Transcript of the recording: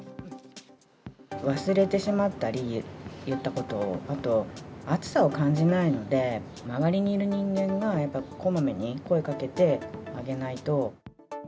忘れてしまったり、言ったことを、あと、暑さを感じないので、周りにいる人間が、やっぱりこまめに声かけてあげないと。